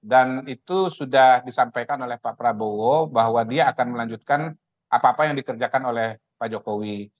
dan itu sudah disampaikan oleh pak prabowo bahwa dia akan melanjutkan apa apa yang dikerjakan oleh pak jokowi